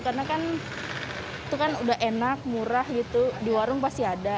karena kan itu kan udah enak murah gitu di warung pasti ada